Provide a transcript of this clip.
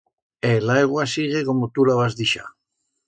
El aigua sigue como tu la vas dixar.